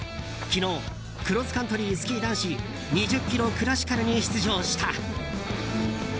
昨日、クロスカントリースキー男子２０ｋｍクラシカルに出場した。